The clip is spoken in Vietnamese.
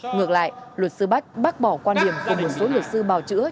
ngược lại luật sư bách bác bỏ quan điểm của một số luật sư bào chữa